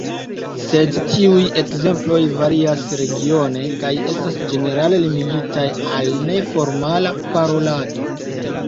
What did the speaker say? Sed tiuj ekzemploj varias regione kaj estas ĝenerale limigitaj al neformala parolado.